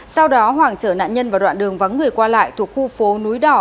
sau đó hoàng chở nạn nhân vào đoạn đường vắng người qua lại thuộc khu phố núi đỏ